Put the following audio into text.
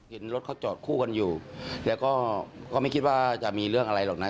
เห็นรถเขาจอดคู่กันอยู่แล้วก็ก็ไม่คิดว่าจะมีเรื่องอะไรหรอกนะ